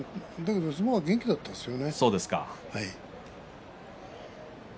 でも相撲は元気だったですよね。